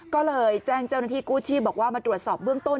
ก็เลยแจ้งเจ้าหน้าที่กู้ชีพบอกว่ามาตรวจสอบเบื้องต้น